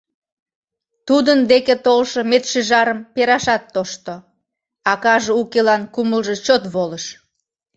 Тудын деке толшо медшӱжарым перашат тошто, акаже укелан кумылжо чот волыш.